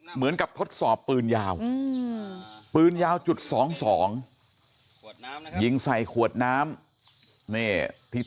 เหมือนกับทดสอบปืนยาวปืนยาวจุด๒๒ยิงใส่ขวดน้ำนี่ที่